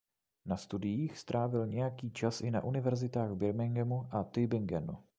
Na studiích strávil nějaký čas i na univerzitách v Birminghamu a Tübingenu.